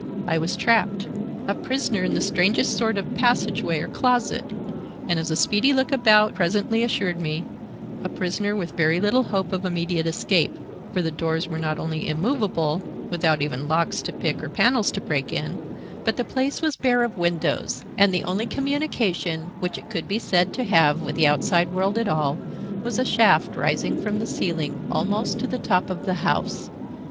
I was trapped—a prisoner in the strangest sort of passageway or closet; and, as a speedy look about presently assured me, a prisoner with very little hope of immediate escape, for the doors were not only immovable, without even locks to pick or panels to break in, but the place was bare of windows, and the only communication which it could be said to have with the outside world at all was a shaft rising from the ceiling almost to the top of the house.